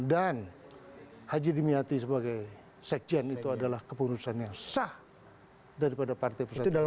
dan haji dimiati sebagai sekjen itu adalah kepengurusan yang sah daripada partai persatuan pembangunan